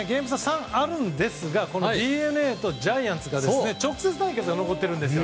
３あるんですがＤｅＮＡとジャイアンツの直接対決が残ってるんです。